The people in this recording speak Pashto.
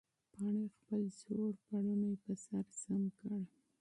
پاڼې خپل زوړ پړونی په سر سم کړ.